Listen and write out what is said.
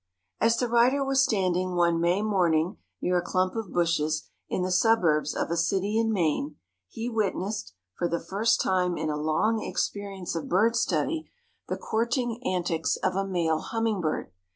As the writer was standing one May morning near a clump of bushes in the suburbs of a city in Maine he witnessed, for the first time in a long experience of bird study, the courting antics of a male hummingbird.